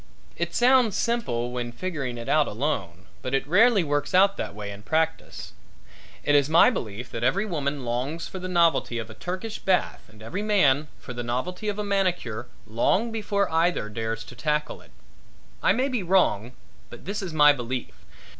It sounds simple when you figuring it out alone, but it rarely works out that way in practice. It is my belief that every woman longs for the novelty of a Turkish bath and every man for the novelty of a manicure long before either dares to tackle it. I may be wrong but this is my belief.